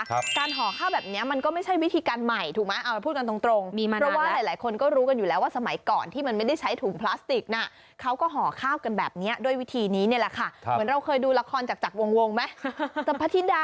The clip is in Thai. การหอข้าวแบบนี้ก็ไม่ใช่วิธีการใหม่ถูกมั้ยเอาไปพูดกันตรงป